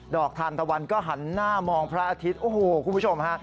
อกทานตะวันก็หันหน้ามองพระอาทิตย์โอ้โหคุณผู้ชมฮะ